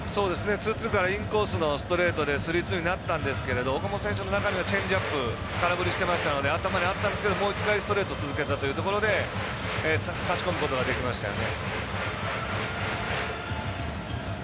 ツーツーからインコースのストレートでスリーツーになったんですけど岡本選手の中にはチェンジアップ空振りしてましたので頭にあったんですけどもう１回ストレートを続けたということで差し込むことができましたよね。